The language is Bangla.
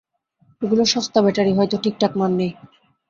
এগুলো সস্তা ব্যাটারি, হয়তো ঠিকঠাক মান নেই।